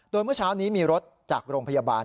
โดยเมื่อเช้านี้มีรถจากโรงพยาบาล